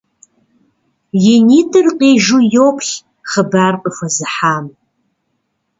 И нитӏыр къижу йоплъ хъыбар къыхуэзыхьам.